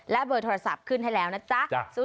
และเบอร์โทรศัพท์ขึ้นให้แล้วนะจ๊ะ